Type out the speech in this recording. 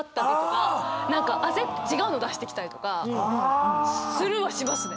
何か焦って違うの出してきたりとかするはしますね。